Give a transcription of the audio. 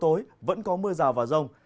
tối vẫn có mưa rào và rông